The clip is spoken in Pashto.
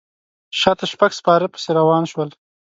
شاته شپږ سپاره پسې روان شول.